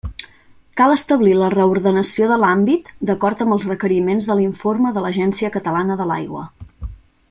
Cal establir la reordenació de l'àmbit d'acord amb els requeriments de l'informe de l'Agència Catalana de l'Aigua.